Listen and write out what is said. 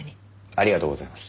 ありがとうございます。